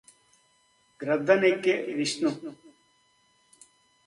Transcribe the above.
గ్రద్దనెక్కె Vishnu